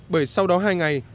bởi sau đó hai ngày